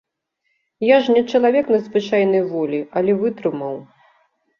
Я ж не чалавек надзвычайнай волі, але вытрымаў.